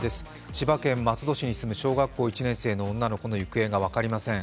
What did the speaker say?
千葉県松戸市に住む小学校１年生の女の子の行方が分かりません。